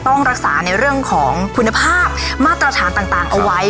ต้องรักษาในเรื่องของคุณภาพมาตรฐานต่างเอาไว้